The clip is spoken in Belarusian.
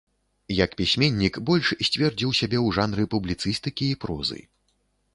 Як пісьменнік больш сцвердзіў сябе ў жанры публіцыстыкі і прозы.